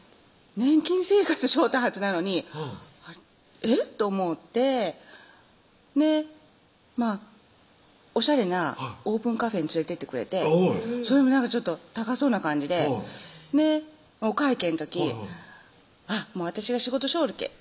年金生活しよったはずなのにえっ？と思うてでおしゃれなオープンカフェに連れてってくれてそれも高そうな感じでお会計の時私が仕事しよるけぇ